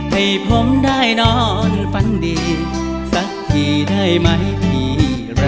ให้ผมได้นอนฝันดีสักทีได้ไหมพี่รอ